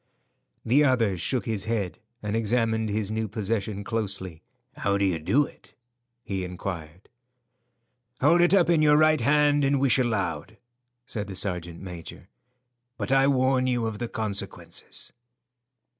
The other shook his head and examined his new possession closely. "How do you do it?" he inquired. "Hold it up in your right hand and wish aloud," said the sergeant major, "but I warn you of the consequences."